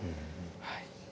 はい。